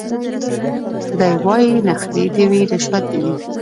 دی وايي نخرې دي وي رشوت دي وي